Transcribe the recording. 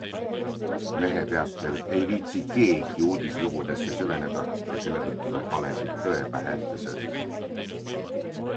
Mehe teatel ei viitsi keegi uudislugudesse süveneda ja selle tõttu saab valesid tõe pähe ette sööta.